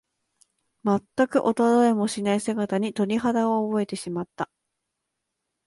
まったく衰えもしない姿に、鳥肌を覚えてしまった。